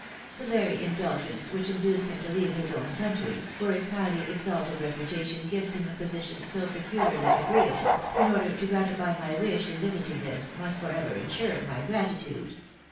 The very indulgence which induced him to leave his own country, where his highly exalted reputation gives him a position so peculiarly agreeable, in order to gratify my wish in visiting this, must for ever insure my gratitude.